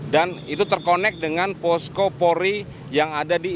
dan itu terkonek dengan posko pori yang ada di itdc